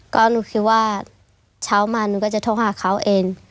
ก็หนูคิดว่าเช้ามาหนูก็จะโทรหาเขาเอง